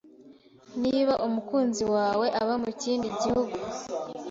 Niba umukunzi wawe aba mu kindi gihugu